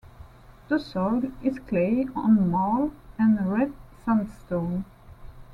The soil is clay on marl and red sandstone.